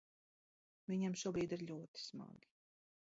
Viņam šobrīd ir ļoti smagi.